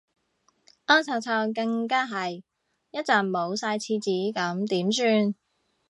屙臭臭更加係，一陣冇晒廁紙咁點算